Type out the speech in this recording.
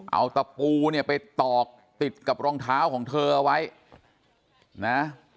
เอาตะปูเนี่ยไปตอกติดกับรองเท้าของเธอเอาไว้นะ